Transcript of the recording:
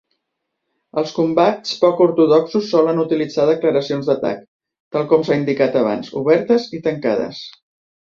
Els combats poc ortodoxos solen utilitzar declaracions d'atac, tal com s'ha indicat abans, obertes i tancades.